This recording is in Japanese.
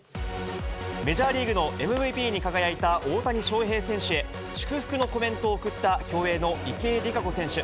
メジャーリーグのＭＶＰに輝いた大谷翔平選手へ、祝福のコメントを送った競泳の池江璃花子選手。